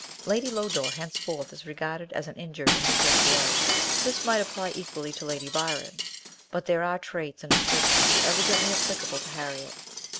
Lady Lodore henceforth is regarded as an injured and deserted wife. This might apply equally to Lady Byron; but there are traits and descriptions evidently applicable to Harriet.